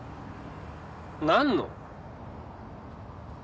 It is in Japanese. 何の？